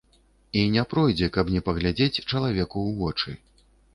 І не пройдзе, каб не паглядзець чалавеку ў вочы.